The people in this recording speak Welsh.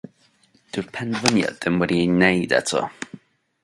Dyw'r penderfyniad ddim wedi'i wneud eto.